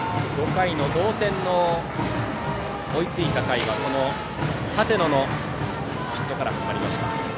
５回、同点に追いついた回はこの舘野のヒットから始まりました。